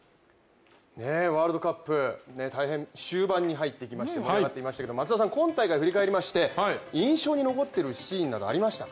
ワールドカップ、終盤に入ってきまして盛り上がってまいりましたけど今大会を振り返りまして、印象に残っているシーンなどありましたか？